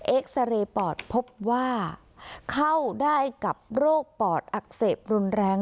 เอ็กซาเรย์ปอดพบว่าเข้าได้กับโรคปอดอักเสบรุนแรง